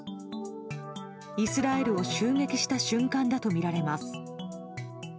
イスラエルを襲撃した瞬間だとみられます。